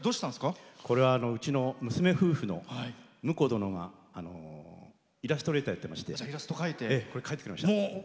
これは、うちの娘夫婦の婿殿がイラストレーターやってましてこれ、描いてくれました。